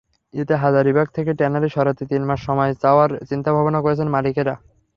এতে হাজারীবাগ থেকে ট্যানারি সরাতে তিন মাস সময় চাওয়ার চিন্তাভাবনা করছেন মালিকেরা।